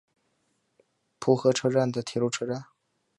浦和车站的铁路车站。